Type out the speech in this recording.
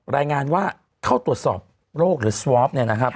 รายงานว่าเข้าตรวจสอบโรคหรือสวอร์ฟ